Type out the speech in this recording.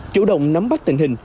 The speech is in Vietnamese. chủ động nắm bắt tình hình